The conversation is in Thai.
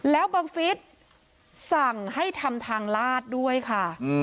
แล้วบังฟิศสั่งให้ทำทางลาดด้วยค่ะ